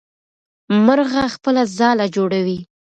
مرغه خپله ځاله جوړوي.